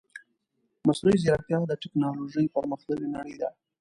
مصنوعي ځيرکتيا د تکنالوژي پرمختللې نړۍ ده .